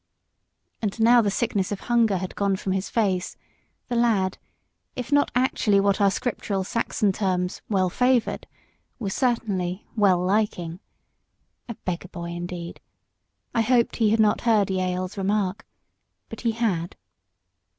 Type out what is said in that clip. And now the sickness of hunger had gone from his face, the lad, if not actually what our scriptural Saxon terms "well favoured," was certainly "well liking." A beggar boy, indeed! I hoped he had not heard Jael's remark. But he had.